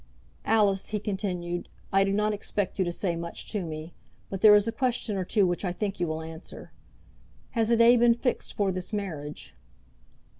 "Alice," he continued, "I do not expect you to say much to me; but there is a question or two which I think you will answer. Has a day been fixed for this marriage?"